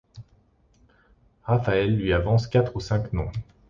Raphaël lui avance quatre ou cinq noms.